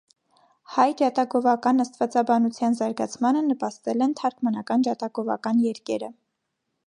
Հայ ջատագովական աստվածաբանության զարգացմանը նպաստել են թարգմանական ջատագովական երկերը։